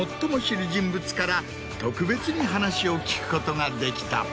から特別に話を聞くことができた。